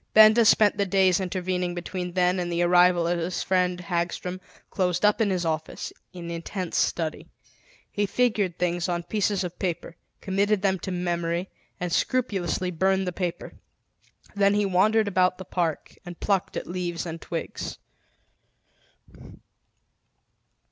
Benda spent the days intervening between then and the arrival of his friend Hagstrom, closed up in his office, in intense study. He figured things on pieces of paper, committed them to memory, and scrupulously burned the paper. Then he wandered about the park and plucked at leaves and twigs.